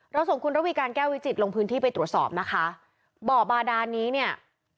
ส่งคุณระวีการแก้ววิจิตรลงพื้นที่ไปตรวจสอบนะคะบ่อบาดานนี้เนี่ย